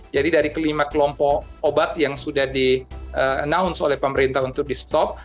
jadi dari kelima kelompok obat yang sudah di announce oleh pemerintah untuk di stop